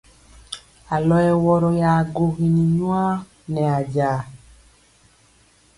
Alɔ yɛ wɔrɔ ya gwogini nyuwa nɛ ajaa.